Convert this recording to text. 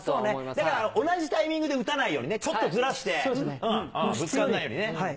だから同じタイミングで打たないようにね、ちょっとずらして、ぶつからないようにね。